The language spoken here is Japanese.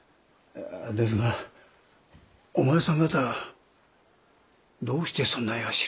ですがお前さん方どうしてそんなにあっしらに？